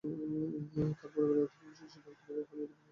তার পরিবারের অধিকাংশ ব্যক্তিবর্গ হলিউডের বিনোদনের সাথে জড়িত।